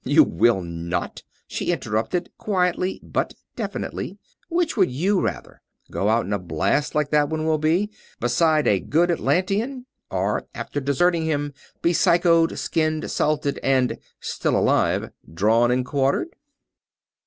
"You will not," she interrupted, quietly but definitely. "Which would you rather go out in a blast like that one will be, beside a good Atlantean, or, after deserting him, be psychoed, skinned, salted, and still alive drawn and quartered?"